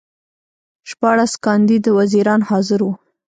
شپاړس کاندید وزیران حاضر وو.